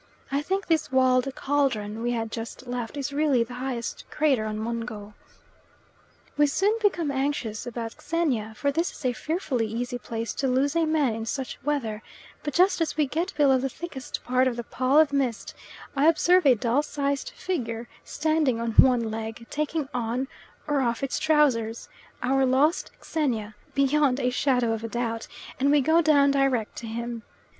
I think this walled cauldron we had just left is really the highest crater on Mungo. We soon become anxious about Xenia, for this is a fearfully easy place to lose a man in such weather, but just as we get below the thickest part of the pall of mist, I observe a doll sized figure, standing on one leg taking on or off its trousers our lost Xenia, beyond a shadow of a doubt, and we go down direct to him.